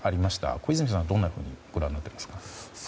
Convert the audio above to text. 小泉さんはどんなふうに見ていますか。